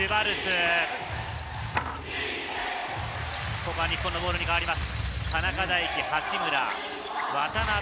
ここは日本のボールにかわります。